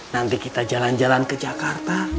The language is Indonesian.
nanti kita jalan jalan ke jakarta